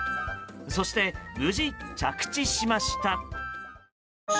そして無事、着地しました。